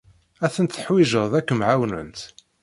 Ad tent-teḥwijeḍ ad kem-ɛawnent.